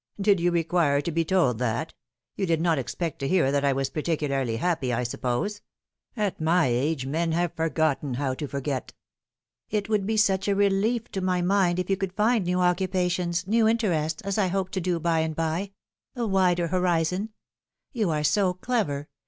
" Did you require to be told that ? You did not expect to hear that I was particularly happy, I suppose ? At my age men have forgotten how to forget." " It would be such a relief to my mind if you could find new occupations, new interests, as I hope to do by and by a wider horizon. You are so clever.